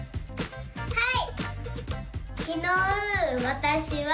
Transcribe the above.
はい！